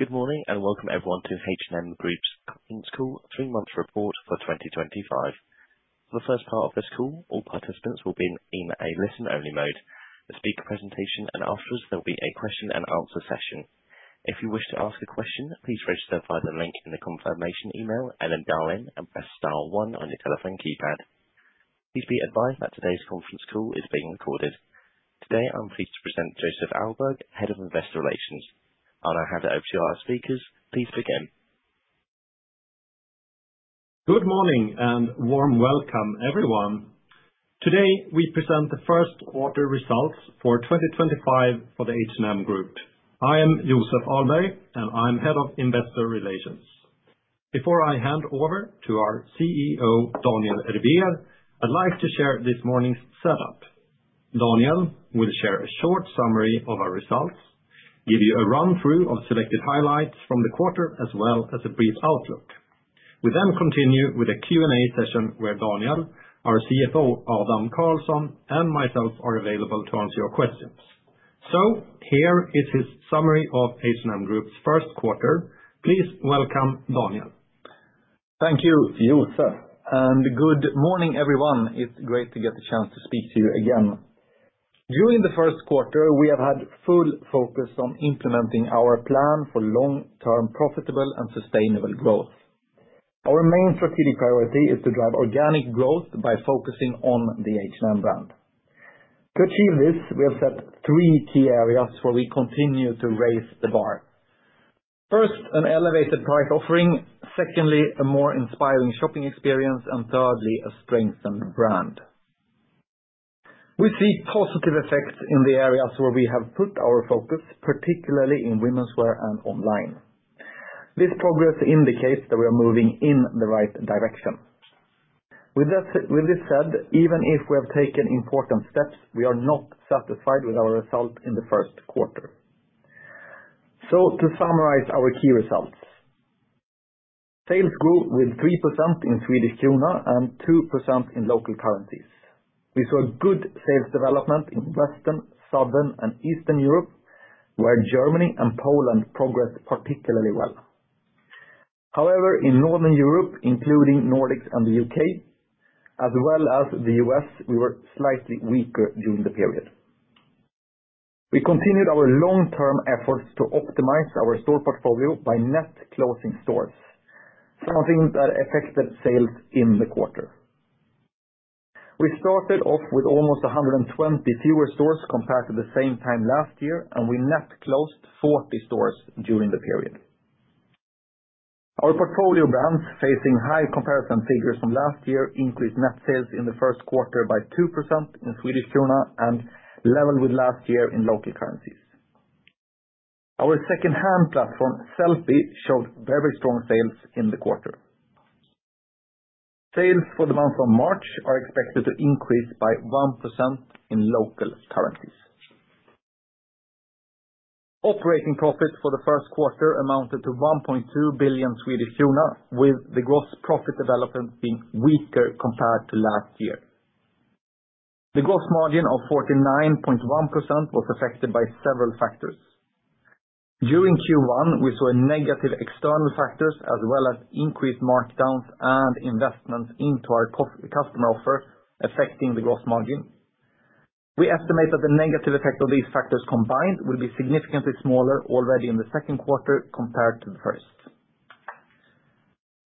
Good morning and welcome everyone to H&M Group's conference call, three-month report for 2025. For the first part of this call, all participants will be in a listen-only mode. The speaker presentation, and afterwards there'll be a question-and-answer session. If you wish to ask a question, please register via the link in the confirmation email, and then dial in and press star one on your telephone keypad. Please be advised that today's conference call is being recorded. Today I'm pleased to present Joseph Ahlberg, Head of Investor Relations. I'll now hand it over to our speakers. Please begin. Good morning and warm welcome, everyone. Today we present the first-quarter results for 2025 for the H&M Group. I am Joseph Ahlberg, and I'm Head of Investor Relations. Before I hand over to our CEO, Daniel Ervér, I'd like to share this morning's setup. Daniel will share a short summary of our results, give you a run-through of selected highlights from the quarter, as well as a brief outlook. We then continue with a Q&A session where Daniel, our CFO, Adam Karlsson, and myself are available to answer your questions. Here is his summary of H&M Group's first quarter. Please welcome Daniel. Thank you, Joseph, and good morning, everyone. It's great to get the chance to speak to you again. During the first quarter, we have had full focus on implementing our plan for long-term profitable and sustainable growth. Our main strategic priority is to drive organic growth by focusing on the H&M brand. To achieve this, we have set three key areas where we continue to raise the bar. First, an elevated price offering. Secondly, a more inspiring shopping experience. Thirdly, a strengthened brand. We see positive effects in the areas where we have put our focus, particularly in women's wear and online. This progress indicates that we are moving in the right direction. With this said, even if we have taken important steps, we are not satisfied with our result in the first quarter. To summarize our key results, sales grew with 3% in Swedish krona and 2% in local currencies. We saw good sales development in Western, Southern, and Eastern Europe, where Germany and Poland progressed particularly well. However, in Northern Europe, including the Nordics and the U.K., as well as the U.S., we were slightly weaker during the period. We continued our long-term efforts to optimize our store portfolio by net closing stores, something that affected sales in the quarter. We started off with almost 120 fewer stores compared to the same time last year, and we net closed 40 stores during the period. Our portfolio brands, facing high comparison figures from last year, increased net sales in the first quarter by 2% in Swedish krona and leveled with last year in local currencies. Our second-hand platform, Sellpy, showed very strong sales in the quarter. Sales for the month of March are expected to increase by 1% in local currencies. Operating profits for the first quarter amounted to 1.2 billion Swedish kronor, with the gross profit development being weaker compared to last year. The gross margin of 49.1% was affected by several factors. During Q1, we saw negative external factors, as well as increased markdowns and investments into our customer offer, affecting the gross margin. We estimate that the negative effect of these factors combined will be significantly smaller already in the second quarter compared to the first.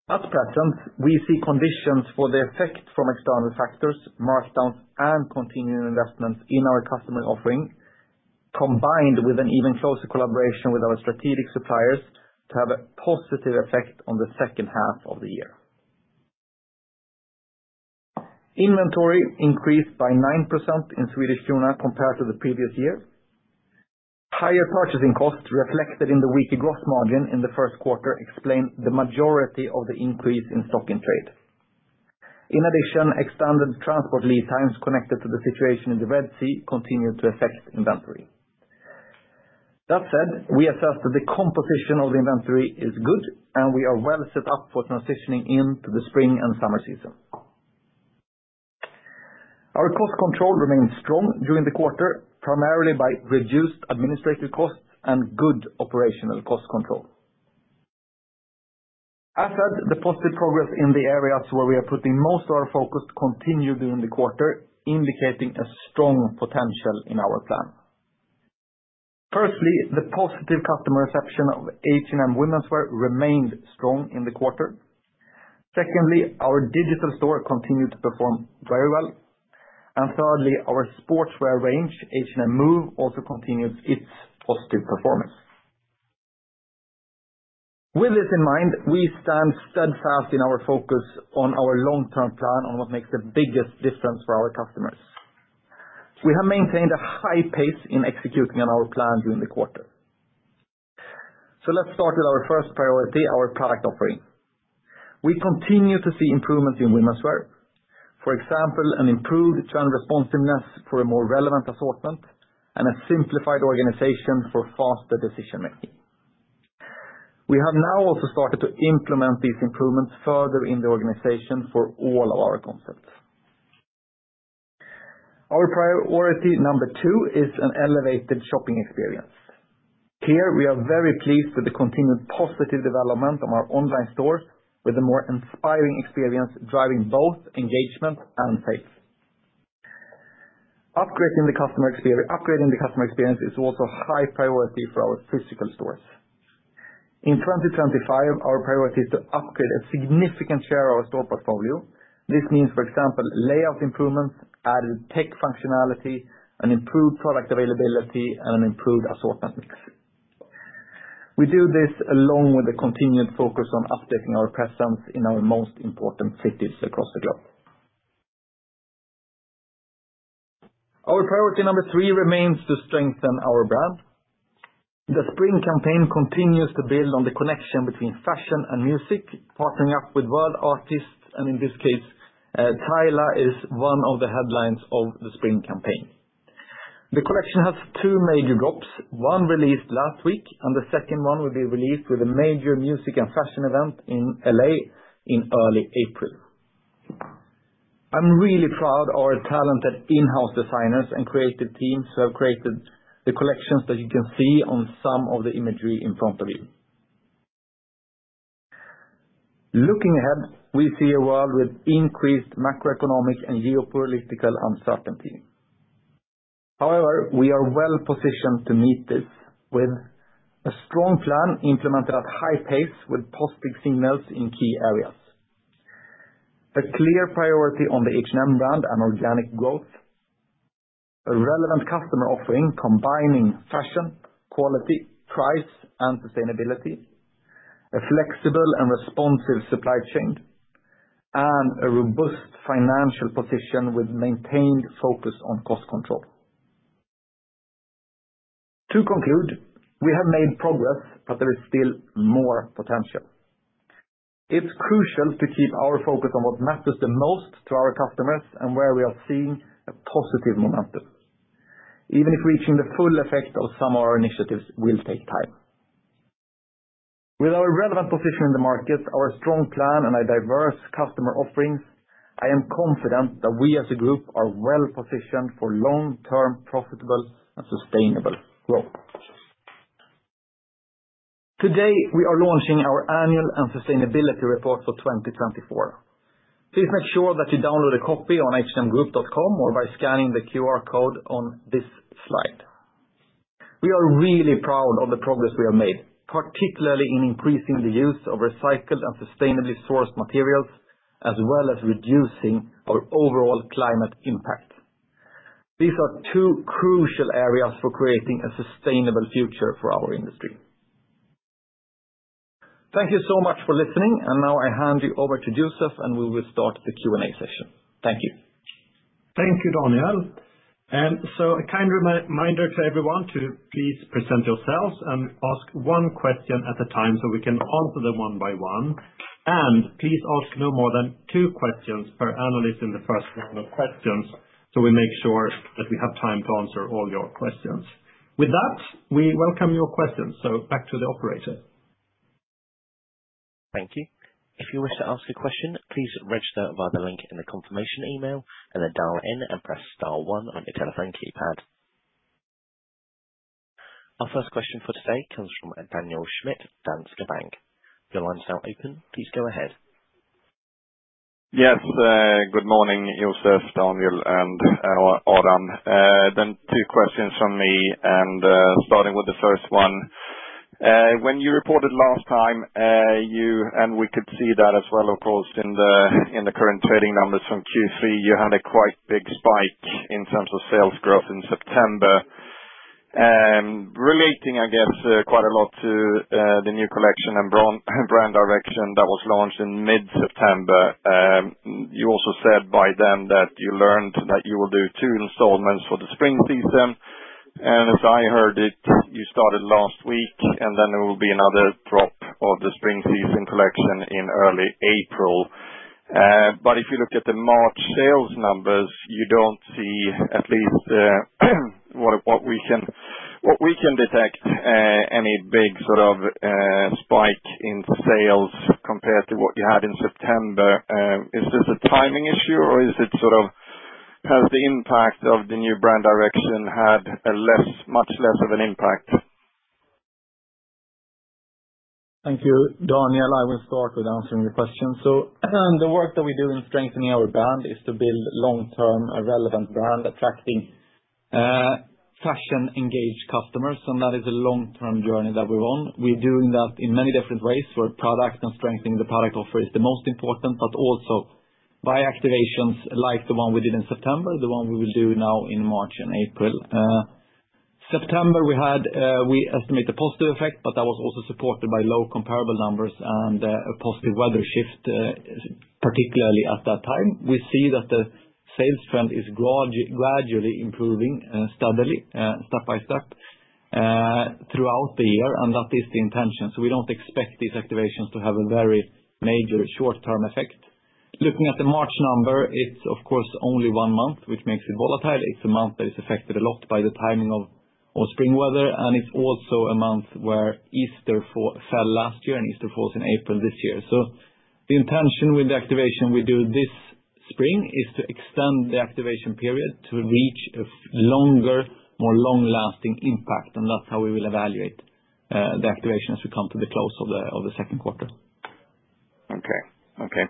At present, we see conditions for the effect from external factors, markdowns, and continuing investments in our customer offering, combined with an even closer collaboration with our strategic suppliers, to have a positive effect on the second half of the year. Inventory increased by 9% in SEK compared to the previous year. Higher purchasing costs reflected in the weaker gross margin in the first quarter explained the majority of the increase in stock in trade. In addition, extended transport lead times connected to the situation in the Red Sea continued to affect inventory. That said, we assess that the composition of the inventory is good, and we are well set up for transitioning into the spring and summer season. Our cost control remained strong during the quarter, primarily by reduced administrative costs and good operational cost control. As said, the positive progress in the areas where we are putting most of our focus continued during the quarter, indicating a strong potential in our plan. Firstly, the positive customer reception of H&M Women's Wear remained strong in the quarter. Secondly, our digital store continued to perform very well. Thirdly, our sportswear range, H&M Move, also continued its positive performance. With this in mind, we stand steadfast in our focus on our long-term plan on what makes the biggest difference for our customers. We have maintained a high pace in executing on our plan during the quarter. Let's start with our first priority, our product offering. We continue to see improvements in women's wear. For example, an improved trend responsiveness for a more relevant assortment and a simplified organization for faster decision-making. We have now also started to implement these improvements further in the organization for all of our concepts. Our priority number two is an elevated shopping experience. Here, we are very pleased with the continued positive development of our online stores, with a more inspiring experience driving both engagement and sales. Upgrading the customer experience is also a high priority for our physical stores. In 2025, our priority is to upgrade a significant share of our store portfolio. This means, for example, layout improvements, added tech functionality, improved product availability, and an improved assortment mix. We do this along with the continued focus on updating our presence in our most important cities across the globe. Our priority number three remains to strengthen our brand. The spring campaign continues to build on the connection between fashion and music, partnering up with world artists, and in this case, Tyla is one of the headlines of the spring campaign. The collection has two major drops, one released last week, and the second one will be released with a major music and fashion event in Los Angeles in early April. I'm really proud of our talented in-house designers and creative teams who have created the collections that you can see on some of the imagery in front of you. Looking ahead, we see a world with increased macroeconomic and geopolitical uncertainty. However, we are well positioned to meet this with a strong plan implemented at high pace with positive signals in key areas. A clear priority on the H&M brand and organic growth, a relevant customer offering combining fashion, quality, price, and sustainability, a flexible and responsive supply chain, and a robust financial position with maintained focus on cost control. To conclude, we have made progress, but there is still more potential. It's crucial to keep our focus on what matters the most to our customers and where we are seeing a positive momentum. Even if reaching the full effect of some of our initiatives will take time. With our relevant position in the market, our strong plan, and our diverse customer offerings, I am confident that we as a group are well positioned for long-term profitable and sustainable growth. Today, we are launching our annual and sustainability report for 2024. Please make sure that you download a copy on hmgroup.com or by scanning the QR code on this slide. We are really proud of the progress we have made, particularly in increasing the use of recycled and sustainably sourced materials, as well as reducing our overall climate impact. These are two crucial areas for creating a sustainable future for our industry. Thank you so much for listening, and now I hand you over to Joseph, and we will start the Q&A session. Thank you. Thank you, Daniel. A kind reminder to everyone to please present yourselves and ask one question at a time so we can answer them one by one. Please ask no more than two questions per analyst in the first round of questions so we make sure that we have time to answer all your questions. With that, we welcome your questions. Back to the operator. Thank you. If you wish to ask a question, please register via the link in the confirmation email and then dial in and press star one on your telephone keypad. Our first question for today comes from Daniel Schmidt of Danske Bank. Your line's now open. Please go ahead. Yes, good morning, Joseph, Daniel, and Adam. Two questions from me. Starting with the first one, when you reported last time, and we could see that as well, of course, in the current trading numbers from Q3, you had a quite big spike in terms of sales growth in September, relating, I guess, quite a lot to the new collection and brand direction that was launched in mid-September. You also said by then that you learned that you will do two installments for the spring season. As I heard it, you started last week, and there will be another drop of the spring season collection in early April. If you look at the March sales numbers, you do not see, at least what we can detect, any big sort of spike in sales compared to what you had in September. Is this a timing issue, or has the impact of the new brand direction had much less of an impact? Thank you, Daniel. I will start with answering your question. The work that we do in strengthening our brand is to build a long-term relevant brand, attracting fashion-engaged customers. That is a long-term journey that we're on. We're doing that in many different ways, where product and strengthening the product offer is the most important, but also by activations like the one we did in September, the one we will do now in March and April. September, we estimate a positive effect, but that was also supported by low comparable numbers and a positive weather shift, particularly at that time. We see that the sales trend is gradually improving, step by step, throughout the year, and that is the intention. We don't expect these activations to have a very major short-term effect. Looking at the March number, it's, of course, only one month, which makes it volatile. It's a month that is affected a lot by the timing of spring weather, and it's also a month where Easter fell last year, and Easter falls in April this year. The intention with the activation we do this spring is to extend the activation period to reach a longer, more long-lasting impact, and that's how we will evaluate the activation as we come to the close of the second quarter. Okay. Okay.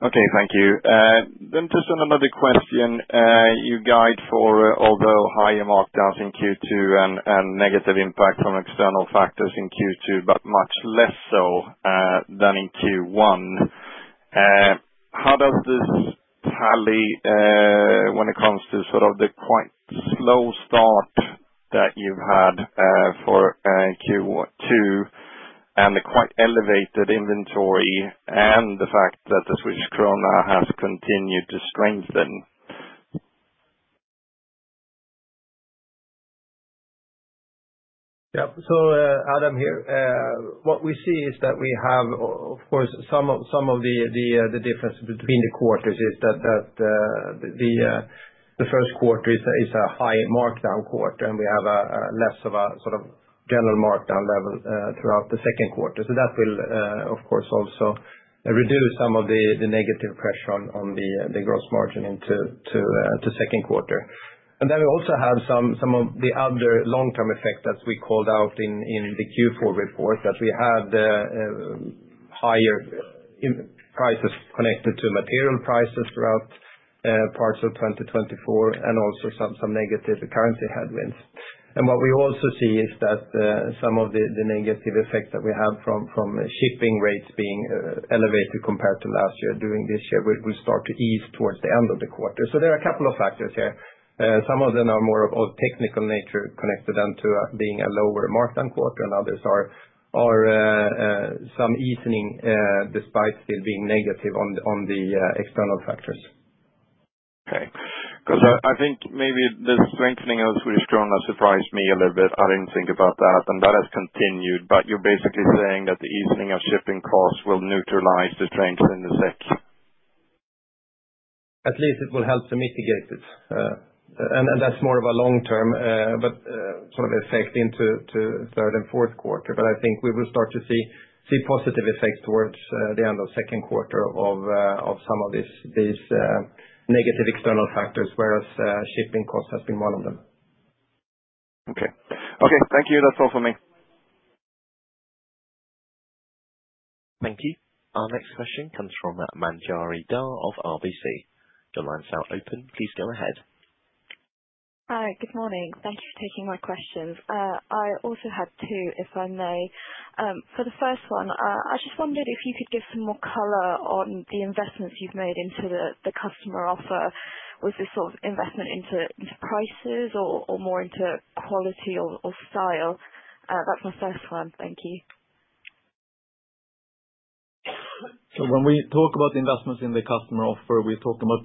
Okay, thank you. Just another question. You guide for, although higher markdowns in Q2 and negative impact from external factors in Q2, but much less so than in Q1. How does this tally when it comes to sort of the quite slow start that you've had for Q2 and the quite elevated inventory and the fact that the Swedish krona has continued to strengthen? Yeah. Adam here, what we see is that we have, of course, some of the differences between the quarters is that the first quarter is a high markdown quarter, and we have less of a sort of general markdown level throughout the second quarter. That will, of course, also reduce some of the negative pressure on the gross margin into the second quarter. We also have some of the other long-term effects that we called out in the Q4 report, that we had higher prices connected to material prices throughout parts of 2024, and also some negative currency headwinds. What we also see is that some of the negative effects that we have from shipping rates being elevated compared to last year during this year will start to ease towards the end of the quarter. There are a couple of factors here. Some of them are more of a technical nature connected then to being a lower markdown quarter, and others are some easing despite still being negative on the external factors. Okay. Because I think maybe the strengthening of the Swedish krona surprised me a little bit. I did not think about that, and that has continued, but you're basically saying that the easing of shipping costs will neutralize the strength in the SEK? At least it will help to mitigate it. That is more of a long-term sort of effect into third and fourth quarter, but I think we will start to see positive effects towards the end of second quarter of some of these negative external factors, whereas shipping costs have been one of them. Okay. Okay. Thank you. That's all for me. Thank you. Our next question comes from Manjari Dhar of RBC. Your line's now open. Please go ahead. Hi, good morning. Thank you for taking my questions. I also had two, if I may. For the first one, I just wondered if you could give some more color on the investments you've made into the customer offer. Was this sort of investment into prices or more into quality or style? That's my first one. Thank you. When we talk about the investments in the customer offer, we talk about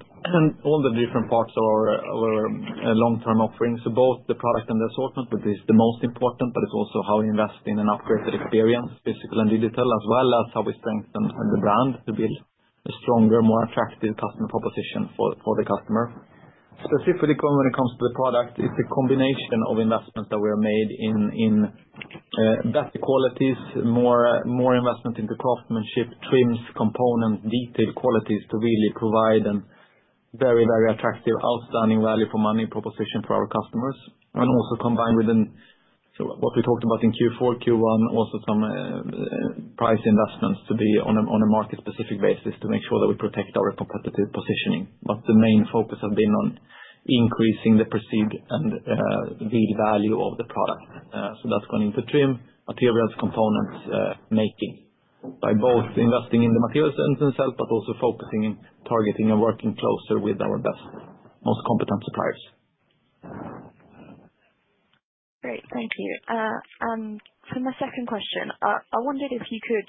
all the different parts of our long-term offering. Both the product and the assortment, which is the most important, but it's also how we invest in an upgraded experience, physical and digital, as well as how we strengthen the brand to build a stronger, more attractive customer proposition for the customer. Specifically, when it comes to the product, it's a combination of investments that we have made in better qualities, more investment into craftsmanship, trims, components, detailed qualities to really provide a very, very attractive outstanding value for money proposition for our customers. Also combined with what we talked about in Q4, Q1, also some price investments to be on a market-specific basis to make sure that we protect our competitive positioning. The main focus has been on increasing the perceived and real value of the product. That is going into trim, materials, components, making by both investing in the materials themselves, but also focusing in targeting and working closer with our best, most competent suppliers. Great. Thank you. For my second question, I wondered if you could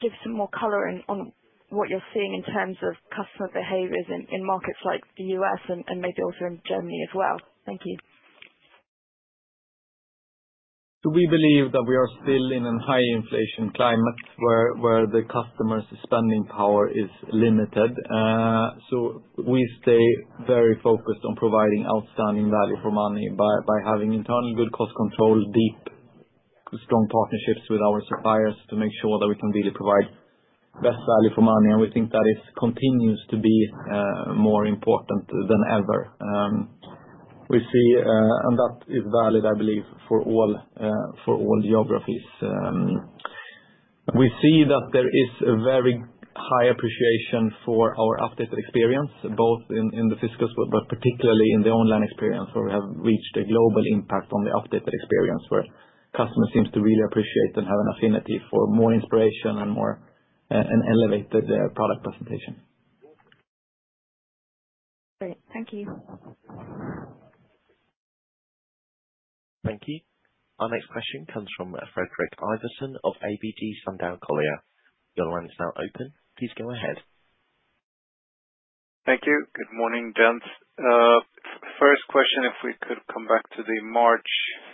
give some more color on what you're seeing in terms of customer behaviors in markets like the U.S. and maybe also in Germany as well. Thank you. We believe that we are still in a high-inflation climate where the customer's spending power is limited. We stay very focused on providing outstanding value for money by having internal good cost control, deep, strong partnerships with our suppliers to make sure that we can really provide best value for money. We think that continues to be more important than ever. We see, and that is valid, I believe, for all geographies. We see that there is a very high appreciation for our updated experience, both in the physical, but particularly in the online experience, where we have reached a global impact on the updated experience, where customers seem to really appreciate and have an affinity for more inspiration and more elevated product presentation. Great. Thank you. Thank you. Our next question comes from Fredrik Ivarsson of ABG Sundal Collier. Your line's now open. Please go ahead. Thank you. Good morning, Gents. First question, if we could come back to the March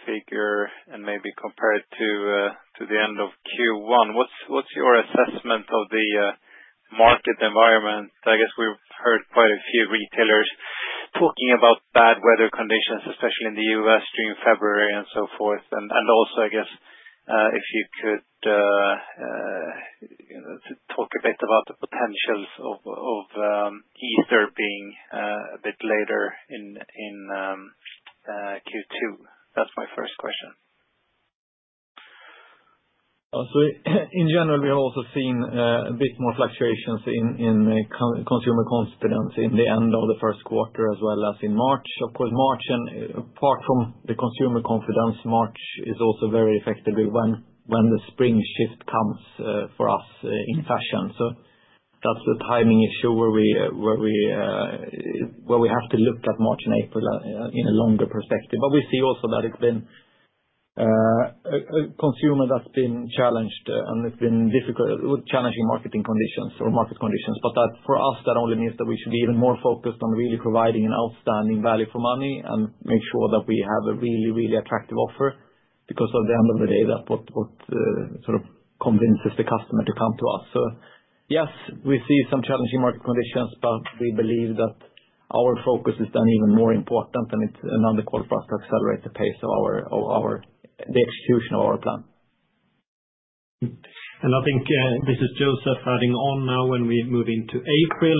figure and maybe compare it to the end of Q1. What's your assessment of the market environment? I guess we've heard quite a few retailers talking about bad weather conditions, especially in the U.S. during February and so forth. I guess, if you could talk a bit about the potentials of Easter being a bit later in Q2. That's my first question. In general, we have also seen a bit more fluctuations in consumer confidence in the end of the first quarter as well as in March. Of course, March, apart from the consumer confidence, March is also very effectively when the spring shift comes for us in fashion. That is the timing issue where we have to look at March and April in a longer perspective. We see also that it has been a consumer that has been challenged, and it has been difficult with challenging market conditions. For us, that only means that we should be even more focused on really providing an outstanding value for money and make sure that we have a really, really attractive offer because at the end of the day, that is what sort of convinces the customer to come to us. Yes, we see some challenging market conditions, but we believe that our focus is then even more important, and it's another call for us to accelerate the pace of the execution of our plan. I think this is Joseph adding on now when we move into April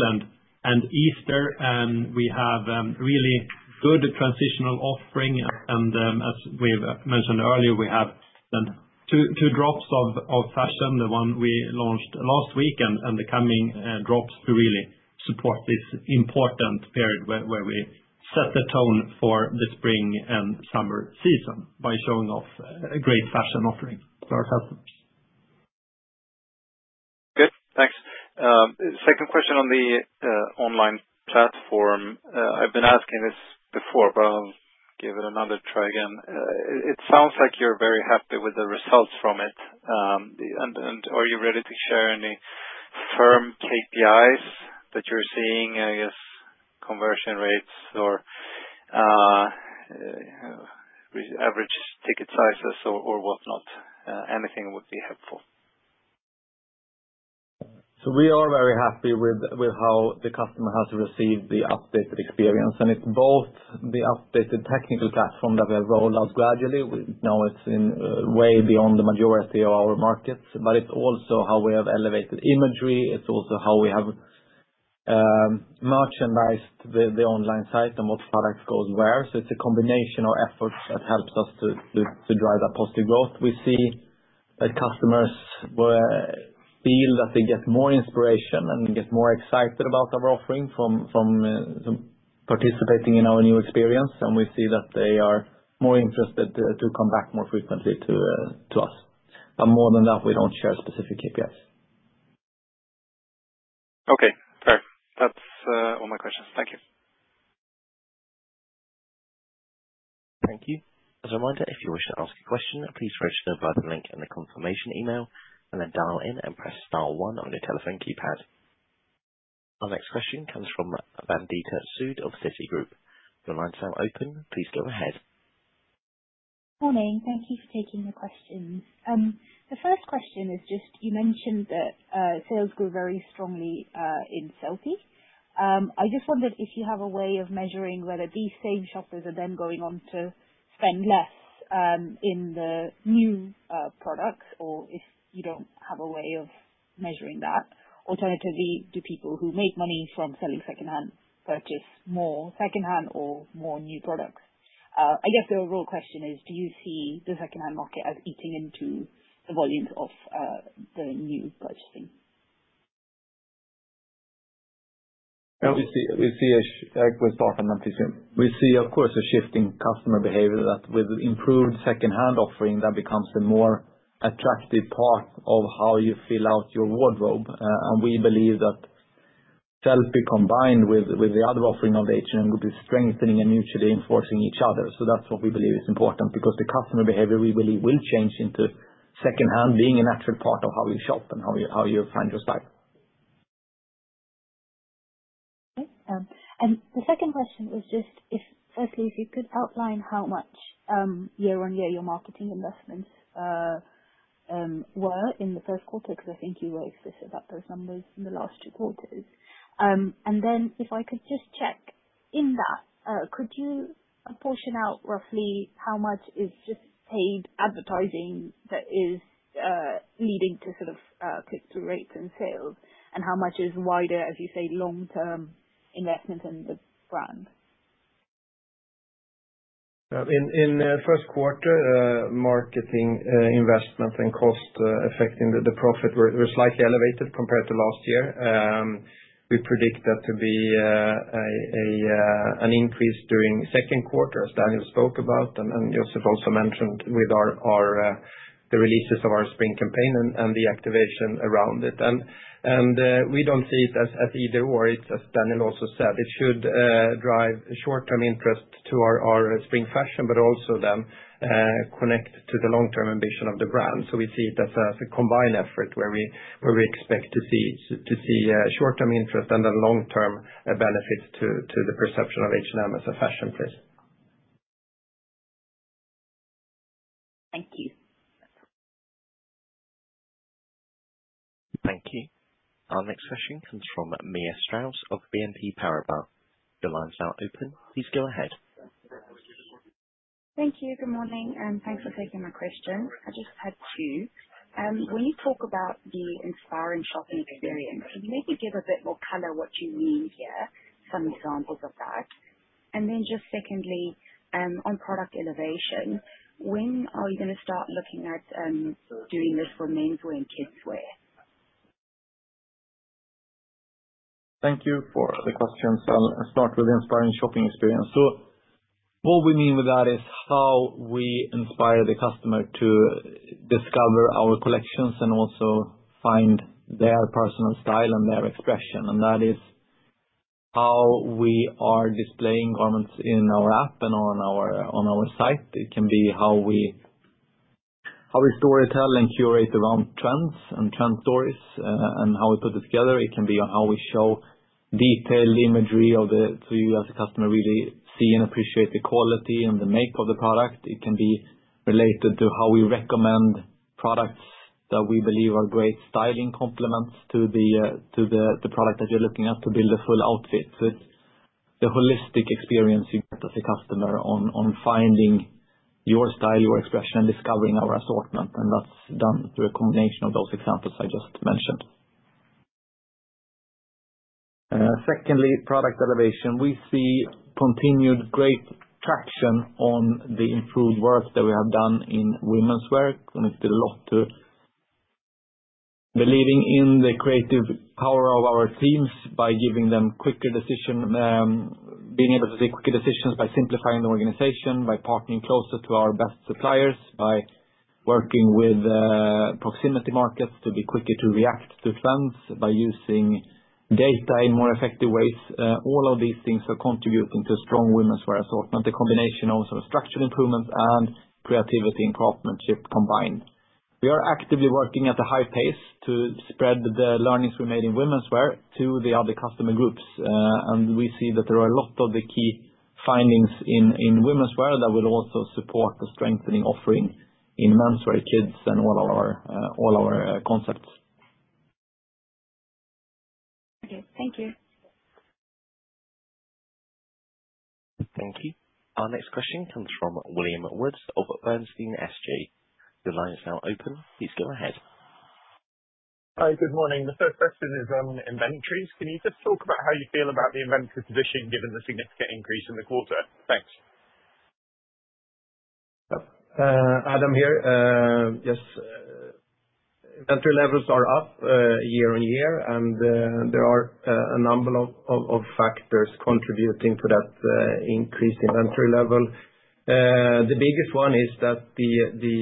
and Easter, and we have really good transitional offering. As we've mentioned earlier, we have then two drops of fashion, the one we launched last week and the coming drops to really support this important period where we set the tone for the spring and summer season by showing off a great fashion offering to our customers. Good. Thanks. Second question on the online platform. I've been asking this before, but I'll give it another try again. It sounds like you're very happy with the results from it. Are you ready to share any firm KPIs that you're seeing, I guess, conversion rates or average ticket sizes or whatnot? Anything would be helpful. We are very happy with how the customer has received the updated experience. It is both the updated technical platform that we have rolled out gradually. We know it is way beyond the majority of our markets, but it is also how we have elevated imagery. It is also how we have merchandised the online site and what product goes where. It is a combination of efforts that helps us to drive that positive growth. We see that customers feel that they get more inspiration and get more excited about our offering from participating in our new experience. We see that they are more interested to come back more frequently to us. More than that, we do not share specific KPIs. Okay. Perfect. That's all my questions. Thank you. Thank you. As a reminder, if you wish to ask a question, please register via the link in the confirmation email and then dial in and press star one on your telephone keypad. Our next question comes from Nikita Sood of Citigroup. Your line's now open. Please go ahead. Morning. Thank you for taking the questions. The first question is just you mentioned that sales grew very strongly in Sellpy. I just wondered if you have a way of measuring whether these same shoppers are then going on to spend less in the new products or if you do not have a way of measuring that. Alternatively, do people who make money from selling secondhand purchase more secondhand or more new products? I guess the overall question is, do you see the secondhand market as eating into the volumes of the new purchasing? We see a good start on that, I think. We see, of course, a shift in customer behavior that with improved secondhand offering, that becomes a more attractive part of how you fill out your wardrobe. We believe that Sellpy, combined with the other offering of H&M, would be strengthening and mutually enforcing each other. That is what we believe is important because the customer behavior we believe will change into secondhand being a natural part of how you shop and how you find your style. Okay. The second question was just, firstly, if you could outline how much year-on-year your marketing investments were in the first quarter because I think you raised this about those numbers in the last two quarters. If I could just check in that, could you portion out roughly how much is just paid advertising that is leading to sort of click-through rates and sales and how much is wider, as you say, long-term investment in the brand? In the first quarter, marketing investment and cost effecting the profit were slightly elevated compared to last year. We predict that to be an increase during second quarter, as Daniel spoke about, and Joseph also mentioned with the releases of our spring campaign and the activation around it. We do not see it as either/or, it is as Daniel also said. It should drive short-term interest to our spring fashion, but also then connect to the long-term ambition of the brand. We see it as a combined effort where we expect to see short-term interest and then long-term benefits to the perception of H&M as a fashion place. Thank you. Thank you. Our next question comes from Mia Strauss of BNP Paribas. Your line's now open. Please go ahead. Thank you. Good morning. Thanks for taking my question. I just had two. When you talk about the inspiring shopping experience, can you maybe give a bit more color what you mean here, some examples of that? Just secondly, on product elevation, when are you going to start looking at doing this for menswear and kidswear? Thank you for the question. I'll start with the inspiring shopping experience. What we mean with that is how we inspire the customer to discover our collections and also find their personal style and their expression. That is how we are displaying garments in our app and on our site. It can be how we storytell and curate around trends and trend stories and how we put it together. It can be on how we show detailed imagery so you, as a customer, really see and appreciate the quality and the make of the product. It can be related to how we recommend products that we believe are great styling complements to the product that you're looking at to build a full outfit. It's the holistic experience you get as a customer on finding your style, your expression, and discovering our assortment. That is done through a combination of those examples I just mentioned. Secondly, product elevation. We see continued great traction on the improved work that we have done in women's wear. We've done a lot to believing in the creative power of our teams by giving them quicker decisions, being able to take quicker decisions by simplifying the organization, by partnering closer to our best suppliers, by working with proximity markets to be quicker to react to trends, by using data in more effective ways. All of these things are contributing to a strong women's wear assortment, a combination of structural improvements and creativity and craftsmanship combined. We are actively working at a high pace to spread the learnings we made in women's wear to the other customer groups. We see that there are a lot of the key findings in women's wear that will also support the strengthening offering in menswear, kids, and all our concepts. Okay. Thank you. Thank you. Our next question comes from William Woods of Bernstein, SG. Your line is now open. Please go ahead. Hi. Good morning. The first question is on inventories. Can you just talk about how you feel about the inventory position given the significant increase in the quarter? Thanks. Adam here. Yes. Inventory levels are up year on year, and there are a number of factors contributing to that increased inventory level. The biggest one is that the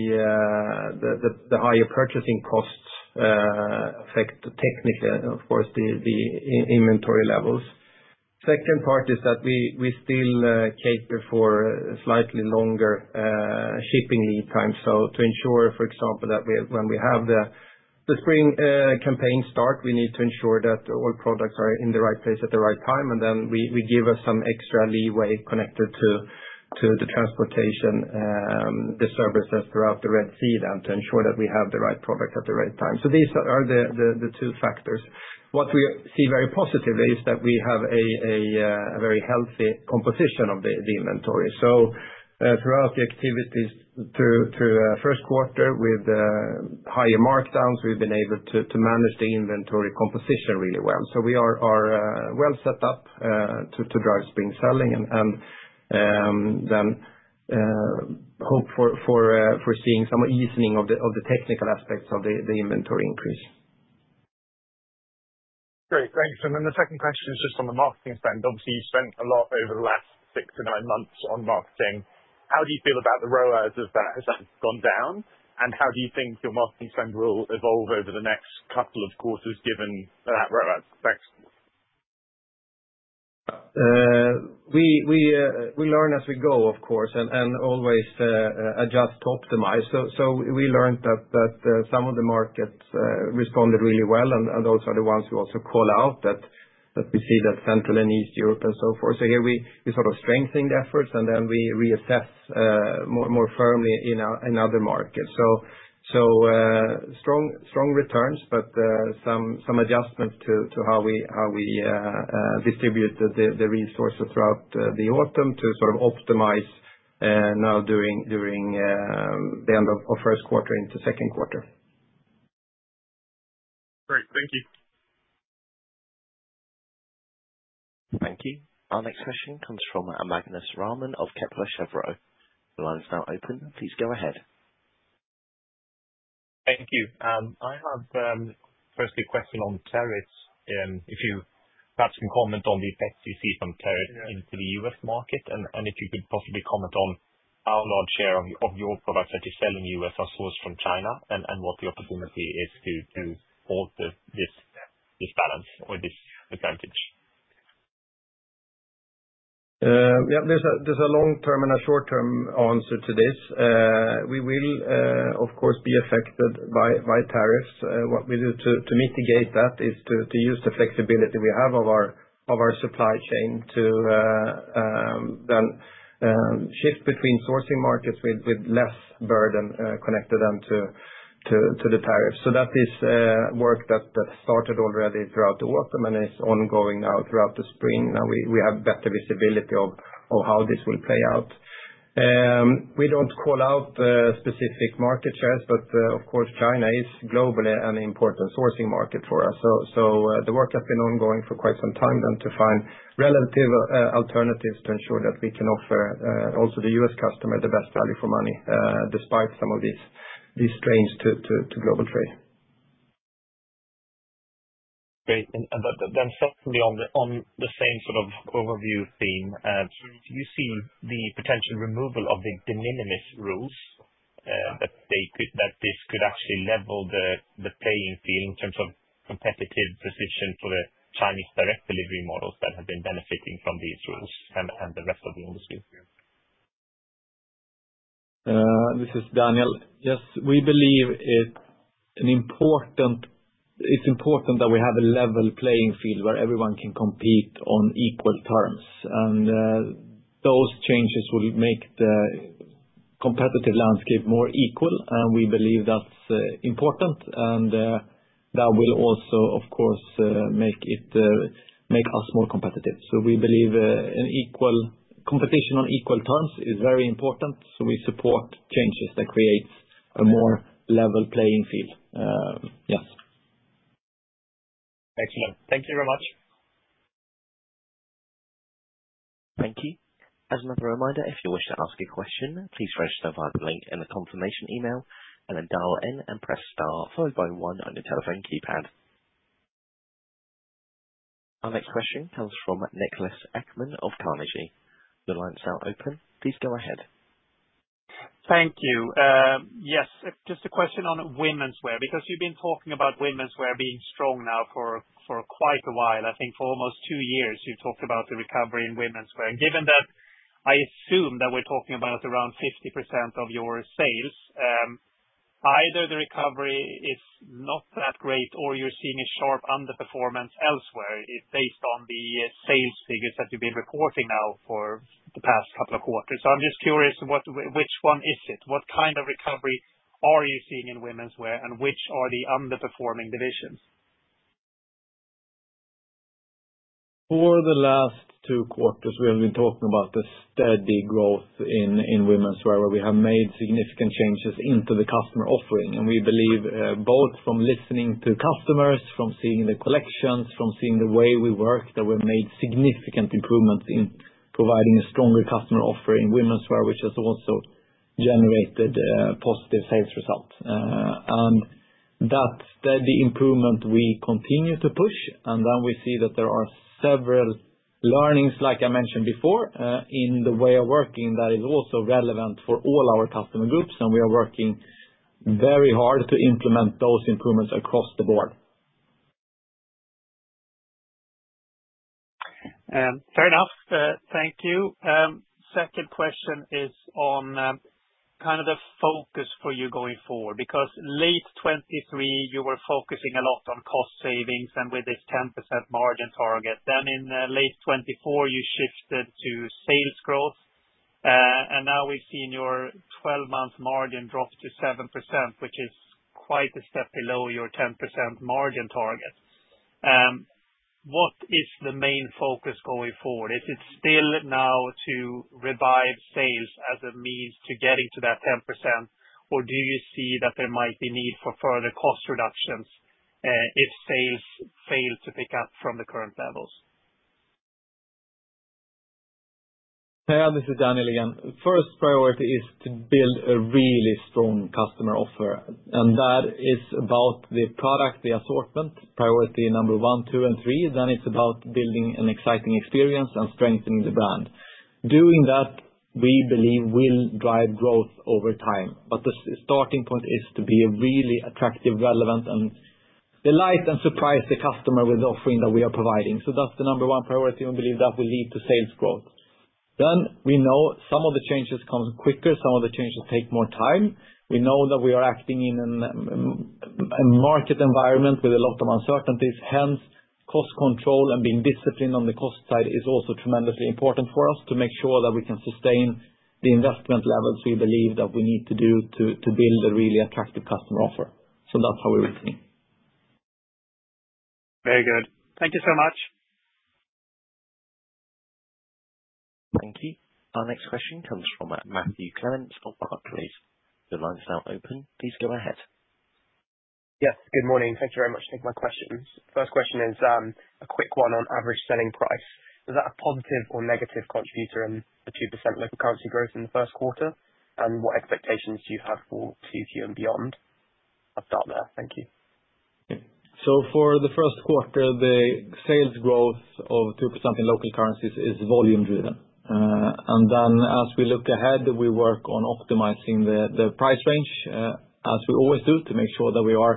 higher purchasing costs affect technically, of course, the inventory levels. The second part is that we still cater for slightly longer shipping lead times. To ensure, for example, that when we have the spring campaign start, we need to ensure that all products are in the right place at the right time. We give us some extra leeway connected to the transportation, the services throughout the Red Sea to ensure that we have the right product at the right time. These are the two factors. What we see very positively is that we have a very healthy composition of the inventory. Throughout the activities through first quarter with higher markdowns, we've been able to manage the inventory composition really well. We are well set up to drive spring selling and then hope for seeing some easing of the technical aspects of the inventory increase. Great. Thanks. The second question is just on the marketing spend. Obviously, you've spent a lot over the last six to nine months on marketing. How do you feel about the ROAS of that? Has that gone down? How do you think your marketing spend will evolve over the next couple of quarters given that ROAS? Thanks. We learn as we go, of course, and always adjust to optimize. We learned that some of the markets responded really well and also the ones who also call out that we see that Central and East Europe and so forth. Here we are sort of strengthening the efforts, and then we reassess more firmly in other markets. Strong returns, but some adjustment to how we distribute the resources throughout the autumn to sort of optimize now during the end of first quarter into second quarter. Great. Thank you. Thank you. Our next question comes from Magnus Råman of Kepler Cheuvreux. Your line's now open. Please go ahead. Thank you. I have firstly a question on tariffs. If you perhaps can comment on the effect you see from tariffs into the U.S. market and if you could possibly comment on how large share of your products that you're selling in the U.S. are sourced from China and what the opportunity is to hold this balance or this advantage. Yeah. There is a long-term and a short-term answer to this. We will, of course, be affected by tariffs. What we do to mitigate that is to use the flexibility we have of our supply chain to then shift between sourcing markets with less burden connected then to the tariffs. That is work that started already throughout the autumn and is ongoing now throughout the spring. Now we have better visibility of how this will play out. We do not call out specific market shares, but of course, China is globally an important sourcing market for us. The work has been ongoing for quite some time then to find relative alternatives to ensure that we can offer also the US customer the best value for money despite some of these strains to global trade. Great. Secondly, on the same sort of overview theme, do you see the potential removal of the de minimis rules that this could actually level the playing field in terms of competitive position for the Chinese direct delivery models that have been benefiting from these rules and the rest of the industry? This is Daniel. Yes. We believe it's important that we have a level playing field where everyone can compete on equal terms. Those changes will make the competitive landscape more equal. We believe that's important and that will also, of course, make us more competitive. We believe competition on equal terms is very important. We support changes that create a more level playing field. Yes. Excellent. Thank you very much. Thank you. As another reminder, if you wish to ask a question, please register via the link in the confirmation email and then dial in and press star followed by one on your telephone keypad. Our next question comes from Niklas Ekman of Carnegie. Your line's now open. Please go ahead. Thank you. Yes. Just a question on women's wear because you've been talking about women's wear being strong now for quite a while. I think for almost two years, you've talked about the recovery in women's wear. Given that I assume that we're talking about around 50% of your sales, either the recovery is not that great or you're seeing a sharp underperformance elsewhere based on the sales figures that you've been reporting now for the past couple of quarters. I'm just curious, which one is it? What kind of recovery are you seeing in women's wear and which are the underperforming divisions? For the last two quarters, we have been talking about the steady growth in women's wear where we have made significant changes into the customer offering. We believe both from listening to customers, from seeing the collections, from seeing the way we work that we've made significant improvements in providing a stronger customer offer in women's wear, which has also generated positive sales results. That is the improvement we continue to push. We see that there are several learnings, like I mentioned before, in the way of working that is also relevant for all our customer groups. We are working very hard to implement those improvements across the board. Fair enough. Thank you. Second question is on kind of the focus for you going forward because late 2023, you were focusing a lot on cost savings and with this 10% margin target. Then in late 2024, you shifted to sales growth. Now we've seen your 12-month margin drop to 7%, which is quite a step below your 10% margin target. What is the main focus going forward? Is it still now to revive sales as a means to getting to that 10%, or do you see that there might be need for further cost reductions if sales fail to pick up from the current levels? This is Daniel again. First priority is to build a really strong customer offer. That is about the product, the assortment, priority number one, two, and three. Then it is about building an exciting experience and strengthening the brand. Doing that, we believe, will drive growth over time. The starting point is to be really attractive, relevant, and delight and surprise the customer with the offering that we are providing. That is the number one priority. We believe that will lead to sales growth. We know some of the changes come quicker. Some of the changes take more time. We know that we are acting in a market environment with a lot of uncertainties. Hence, cost control and being disciplined on the cost side is also tremendously important for us to make sure that we can sustain the investment levels we believe that we need to do to build a really attractive customer offer. That is how we are working. Very good. Thank you so much. Thank you. Our next question comes from Matthew Clement of Barclays. Your line's now open. Please go ahead. Yes. Good morning. Thank you very much for taking my questions. First question is a quick one on average selling price. Was that a positive or negative contributor in the 2% local currency growth in the first quarter? And what expectations do you have for Q2 and beyond? I'll start there. Thank you. For the first quarter, the sales growth of 2% in local currencies is volume-driven. As we look ahead, we work on optimizing the price range as we always do to make sure that we are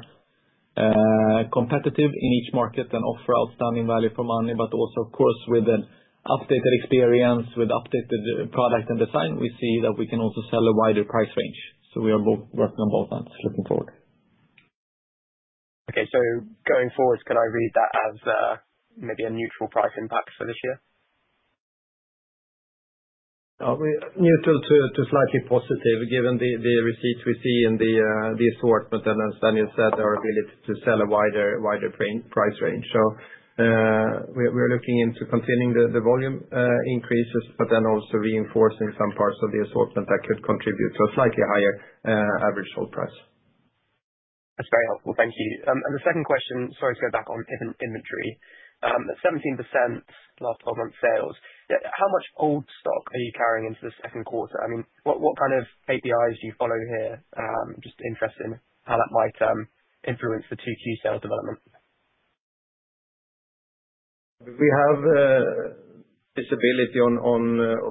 competitive in each market and offer outstanding value for money, but also, of course, with an updated experience, with updated product and design, we see that we can also sell a wider price range. We are working on both ends looking forward. Okay. So going forward, can I read that as maybe a neutral price impact for this year? Neutral to slightly positive given the receipts we see in the assortment and as Daniel said, our ability to sell a wider price range. We are looking into continuing the volume increases, but then also reinforcing some parts of the assortment that could contribute to a slightly higher average sold price. That's very helpful. Thank you. The second question, sorry to go back on inventory, 17% last 12-month sales. How much old stock are you carrying into the second quarter? I mean, what kind of KPIs do you follow here? Just interested in how that might influence the Q2 sales development. We have visibility on,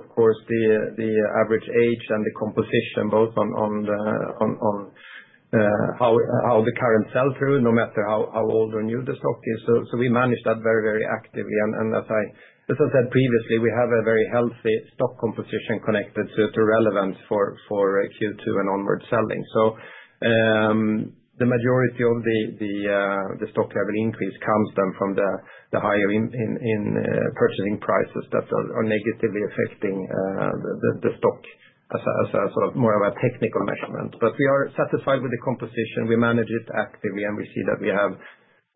of course, the average age and the composition, both on how the current sell-through, no matter how old or new the stock is. We manage that very, very actively. As I said previously, we have a very healthy stock composition connected to relevance for Q2 and onward selling. The majority of the stock level increase comes from the higher in purchasing prices that are negatively affecting the stock as a sort of more of a technical measurement. We are satisfied with the composition. We manage it actively, and we see that we have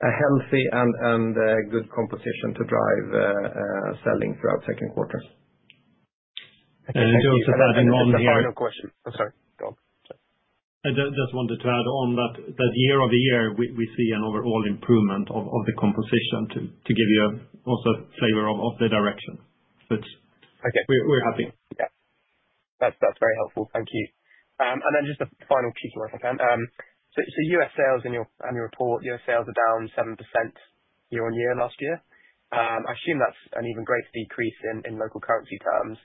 a healthy and good composition to drive selling throughout second quarters. Thank you. Just to add in one here. Final question. I'm sorry. Go on. Sorry. I just wanted to add on that year over year, we see an overall improvement of the composition to give you also a flavor of the direction. We are happy. Yeah. That's very helpful. Thank you. Just a final Q2, if I can. U.S. sales in your report, U.S. sales are down 7% year on year last year. I assume that's an even greater decrease in local currency terms.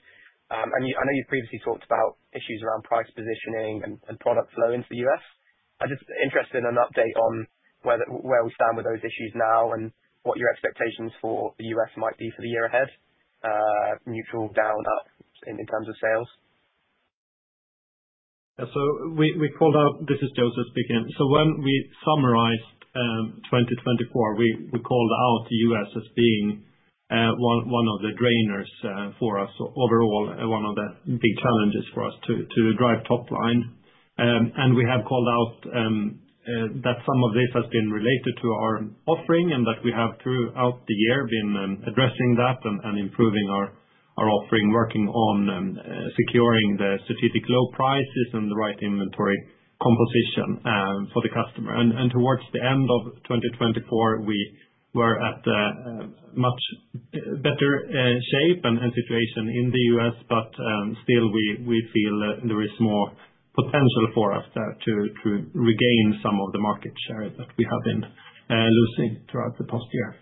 I know you've previously talked about issues around price positioning and product flow into the U.S. I'm just interested in an update on where we stand with those issues now and what your expectations for the U.S. might be for the year ahead, neutral, down, up in terms of sales. This is Joseph Ahlberg speaking. When we summarized 2024, we called out the U.S. as being one of the drainers for us overall, one of the big challenges for us to drive top line. We have called out that some of this has been related to our offering and that we have throughout the year been addressing that and improving our offering, working on securing the strategic low prices and the right inventory composition for the customer. Towards the end of 2024, we were in a much better shape and situation in the U.S., but still we feel there is more potential for us to regain some of the market share that we have been losing throughout the past year.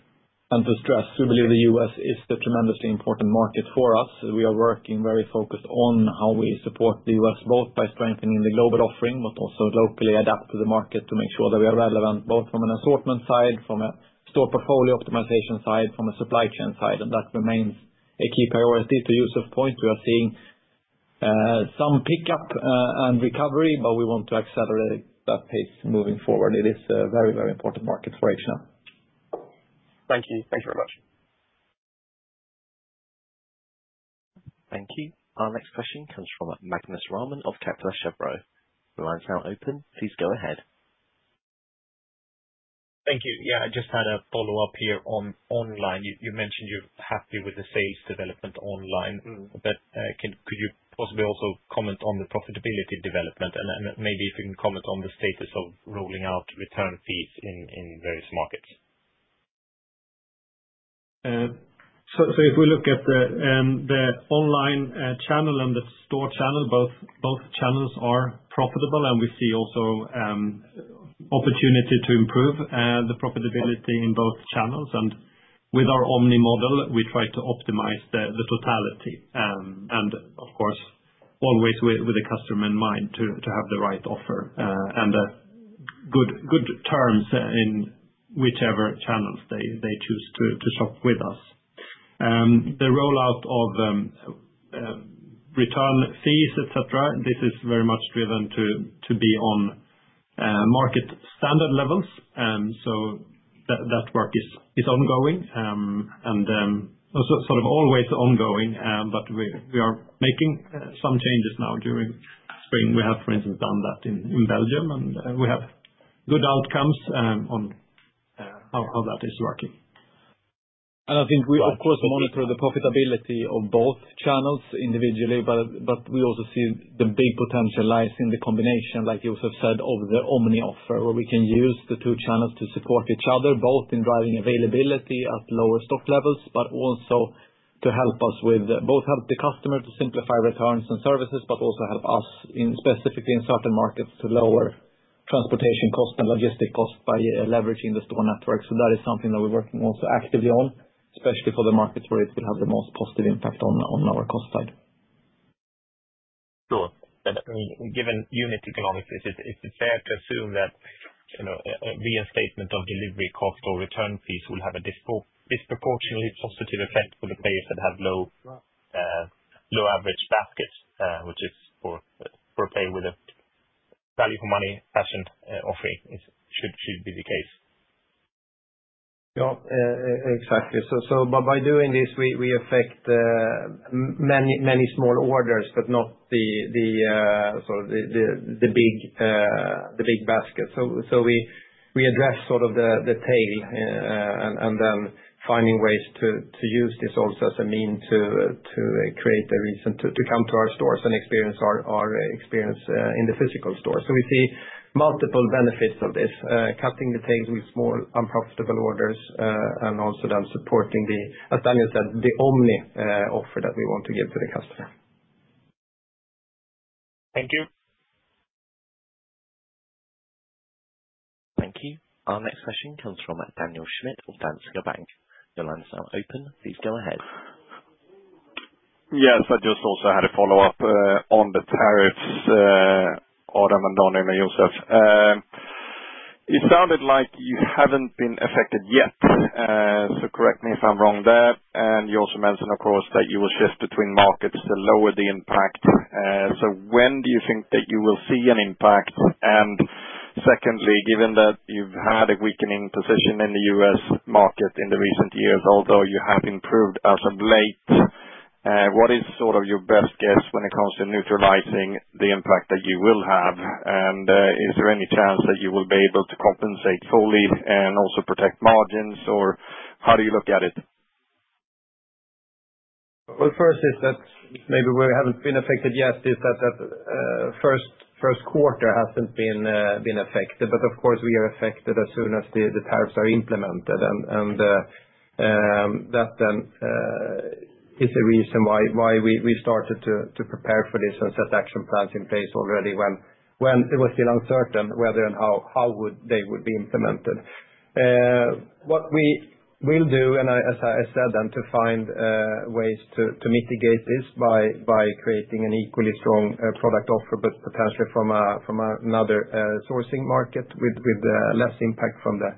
To stress, we believe the U.S. is a tremendously important market for us. We are working very focused on how we support the U.S., both by strengthening the global offering, but also locally adapt to the market to make sure that we are relevant both from an assortment side, from a store portfolio optimization side, from a supply chain side. That remains a key priority to Joseph 's point. We are seeing some pickup and recovery, but we want to accelerate that pace moving forward. It is a very, very important market for H&M. Thank you. Thank you very much. Thank you. Our next question comes from Magnus Råman of Kepler Cheuvreux. Your line's now open. Please go ahead. Thank you. Yeah. I just had a follow-up here online. You mentioned you're happy with the sales development online, but could you possibly also comment on the profitability development? Maybe if you can comment on the status of rolling out return fees in various markets. If we look at the online channel and the store channel, both channels are profitable, and we see also opportunity to improve the profitability in both channels. With our omni model, we try to optimize the totality and, of course, always with the customer in mind to have the right offer and good terms in whichever channels they choose to shop with us. The rollout of return fees, etc., this is very much driven to be on market standard levels. That work is ongoing and sort of always ongoing, but we are making some changes now during spring. We have, for instance, done that in Belgium, and we have good outcomes on how that is working. We, of course, monitor the profitability of both channels individually, but we also see the big potential lies in the combination, like you have said, of the omni offer, where we can use the two channels to support each other, both in driving availability at lower stock levels, but also to help us with both help the customer to simplify returns and services, but also help us specifically in certain markets to lower transportation costs and logistic costs by leveraging the store network. That is something that we're working also actively on, especially for the markets where it will have the most positive impact on our cost side. Sure. Given unit economics, it's fair to assume that reinstatement of delivery costs or return fees will have a disproportionately positive effect for the players that have low average baskets, which is for a player with a value-for-money fashion offering should be the case. Yeah. Exactly. By doing this, we affect many small orders, but not the big baskets. We address sort of the tail and then find ways to use this also as a means to create a reason to come to our stores and experience our experience in the physical store. We see multiple benefits of this, cutting the tails with small unprofitable orders and also then supporting, as Daniel said, the omni offer that we want to give to the customer. Thank you. Thank you. Our next question comes from Daniel Schmidt of Danske Bank. Your line's now open. Please go ahead. Yes. I just also had a follow-up on the tariffs, Adam and Daniel and Joseph. It sounded like you haven't been affected yet, so correct me if I'm wrong there. You also mentioned, of course, that you will shift between markets to lower the impact. When do you think that you will see an impact? Secondly, given that you've had a weakening position in the U.S. market in the recent years, although you have improved as of late, what is sort of your best guess when it comes to neutralizing the impact that you will have? Is there any chance that you will be able to compensate fully and also protect margins, or how do you look at it? First is that maybe we haven't been affected yet, is that first quarter hasn't been affected, but of course, we are affected as soon as the tariffs are implemented. That then is a reason why we started to prepare for this and set action plans in place already when it was still uncertain whether and how they would be implemented. What we will do, and as I said, then to find ways to mitigate this by creating an equally strong product offer, but potentially from another sourcing market with less impact from the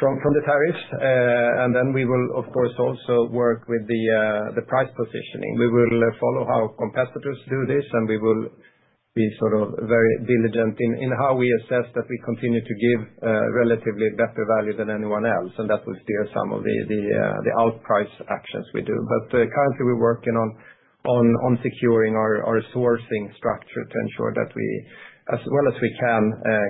tariffs. We will, of course, also work with the price positioning. We will follow how competitors do this, and we will be sort of very diligent in how we assess that we continue to give relatively better value than anyone else. That will steer some of the outprice actions we do. Currently, we're working on securing our sourcing structure to ensure that we, as well as we can,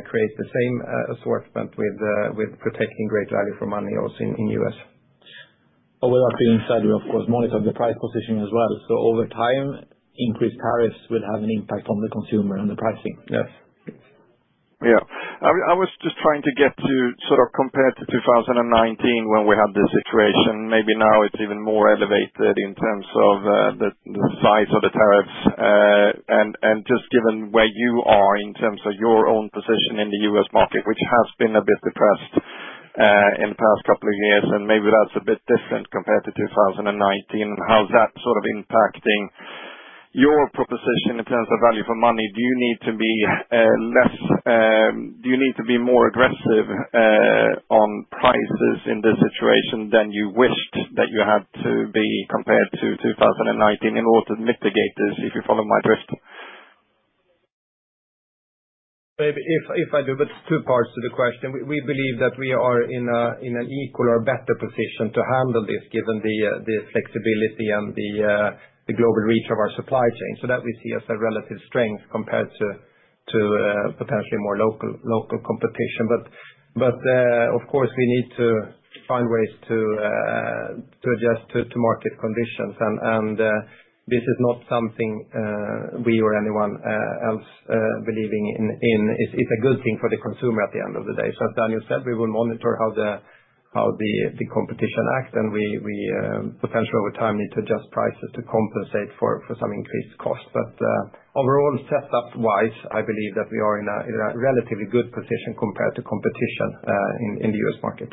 create the same assortment with protecting great value for money also in the U.S. With that being said, we'll, of course, monitor the price position as well. Over time, increased tariffs will have an impact on the consumer and the pricing. Yes. Yeah. I was just trying to get to sort of compare to 2019 when we had this situation. Maybe now it is even more elevated in terms of the size of the tariffs. And just given where you are in terms of your own position in the U.S. market, which has been a bit depressed in the past couple of years, and maybe that is a bit different compared to 2019, and how is that sort of impacting your proposition in terms of value for money? Do you need to be less? Do you need to be more aggressive on prices in this situation than you wished that you had to be compared to 2019 in order to mitigate this if you follow my drift? Maybe if I do, but two parts to the question. We believe that we are in an equal or better position to handle this given the flexibility and the global reach of our supply chain. That we see as a relative strength compared to potentially more local competition. Of course, we need to find ways to adjust to market conditions. This is not something we or anyone else believe is a good thing for the consumer at the end of the day. As Daniel said, we will monitor how the competition acts, and we potentially over time need to adjust prices to compensate for some increased costs. Overall, setup-wise, I believe that we are in a relatively good position compared to competition in the U.S. market.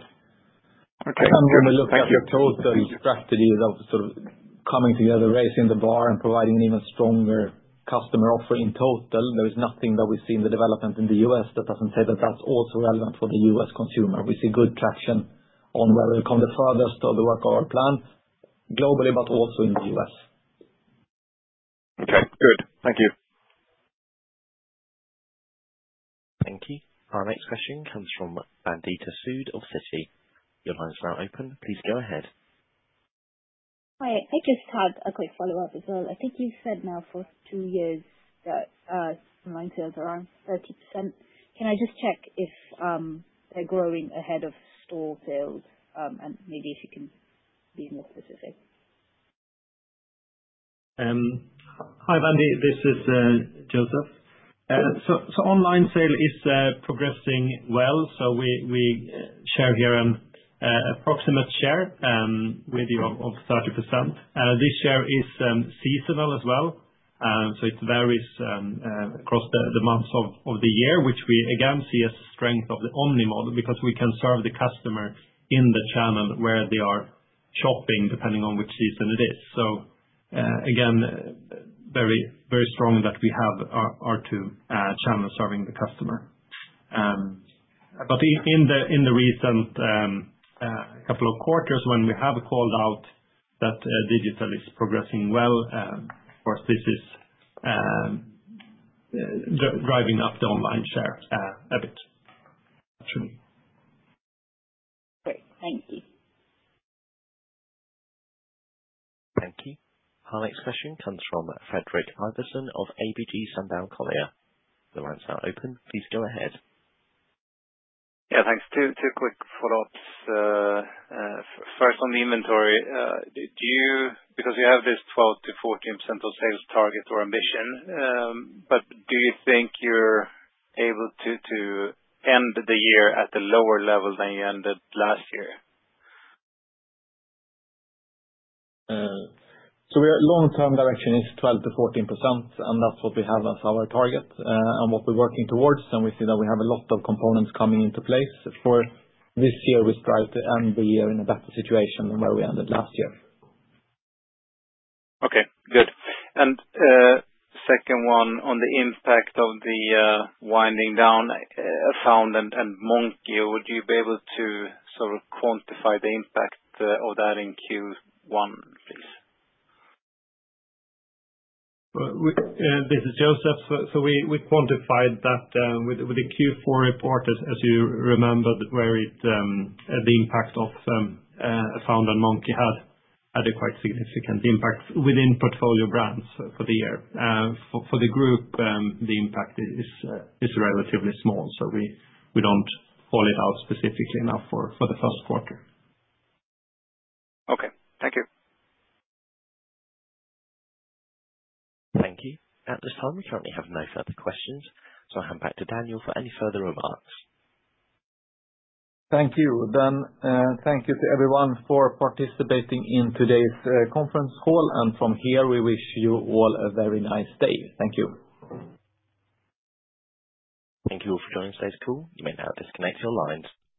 Okay. When we look at total strategy of sort of coming together, raising the bar, and providing an even stronger customer offer in total, there is nothing that we see in the development in the U.S. that does not say that is also relevant for the U.S. consumer. We see good traction on whether we come the furthest of the work of our plan globally, but also in the U.S. Okay. Good. Thank you. Thank you. Our next question comes from Vandita Sood of Citi. Your line's now open. Please go ahead. Hi. I just had a quick follow-up as well. I think you said now for two years that online sales are around 30%. Can I just check if they're growing ahead of store sales and maybe if you can be more specific? Hi, Vandi. This is Joseph. Online sale is progressing well. We share here an approximate share with you of 30%. This share is seasonal as well. It varies across the months of the year, which we again see as a strength of the omni model because we can serve the customer in the channel where they are shopping depending on which season it is. Again, very strong that we have our two channels serving the customer. In the recent couple of quarters when we have called out that digital is progressing well, of course, this is driving up the online share a bit. Great. Thank you. Thank you. Our next question comes from Fredrik Ivarsson of ABG Sundal Collier. The line's now open. Please go ahead. Yeah. Thanks. Two quick follow-ups. First, on the inventory, because you have this 12-14% of sales target or ambition, but do you think you're able to end the year at a lower level than you ended last year? Our long-term direction is 12-14%, and that's what we have as our target and what we're working towards. We see that we have a lot of components coming into place for this year. We strive to end the year in a better situation than where we ended last year. Okay. Good. Second one, on the impact of the winding down, Afound and Monki, would you be able to sort of quantify the impact of that in Q1, please? This is Joseph. So we quantified that with the Q4 report, as you remember, where the impact of Afound and Monki had a quite significant impact within portfolio brands for the year. For the group, the impact is relatively small. So we do not call it out specifically enough for the first quarter. Okay. Thank you. Thank you. At this time, we currently have no further questions. I'll hand back to Daniel for any further remarks. Thank you. Thank you to everyone for participating in today's conference call. From here, we wish you all a very nice day. Thank you. Thank you all for joining today's call. You may now disconnect your lines.